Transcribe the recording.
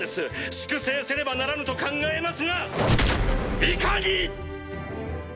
粛清せねばならぬと考えますがいかに！